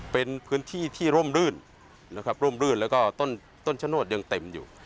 เป็นพื้นที่ที่ร่มรื่นนะครับร่มรื่นแล้วก็ต้นชะโนธยังเต็มอยู่